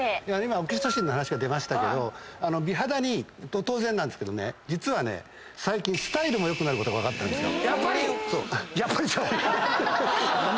オキシトシンの話出ましたけど美肌に当然なんですけど実は最近スタイルも良くなることが分かったんですよ。